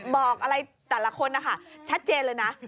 บอกอะไรแต่ละคนครับโชคพงษ์ชัดเจนเลยนะ